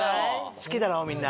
好きだろみんな。